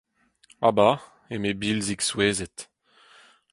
A ba ! eme Bilzig souezhet.